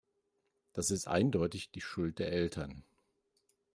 Das ist eindeutig die Schuld der Eltern.